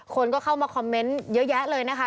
คนก็เข้ามาคอมเมนต์เยอะแยะเลยนะคะ